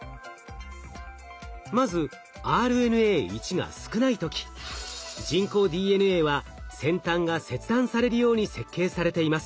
まずＲＮＡ１が少ない時人工ＤＮＡは先端が切断されるように設計されています。